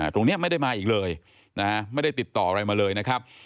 ตรงนี้ไม่ได้มาอีกเลยไม่ได้ติดต่ออะไรมาเลยนะครับ